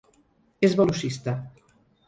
És velocista.